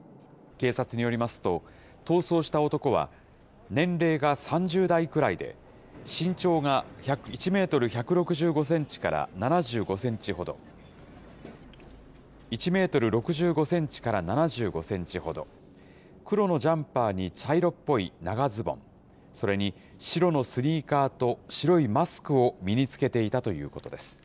警察によりますと、逃走した男は、年齢が３０代くらいで、身長が１メートル１６５センチから７５センチほど、１メートル６５センチから７５センチほど、黒のジャンパーに茶色っぽい長ズボン、それに白のスニーカーと白いマスクを身につけていたということです。